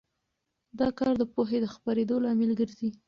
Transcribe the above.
دا کار د پوهې د خپرېدو لامل ګرځي.